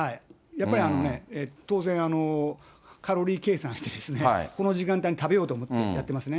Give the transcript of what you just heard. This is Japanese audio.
やっぱり当然、カロリー計算して、この時間帯に食べようと思って、やってますね。